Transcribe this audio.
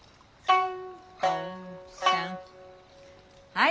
はい。